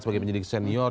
sebagai penyelidik senior